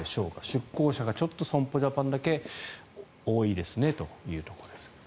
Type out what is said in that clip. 出向者がちょっと損保ジャパンだけ多いですねというところです。